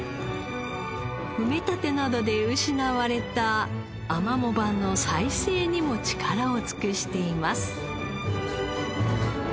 埋め立てなどで失われたアマモ場の再生にも力を尽くしています。